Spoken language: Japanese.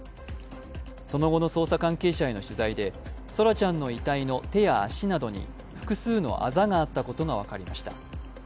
その後の捜査関係者への取材で空来ちゃんの遺体の手や足などに複数のあざがあったことが分かりました。